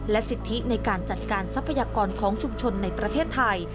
สิทธิในการจัดการทรัพยากรของชุมชนในประเทศไทย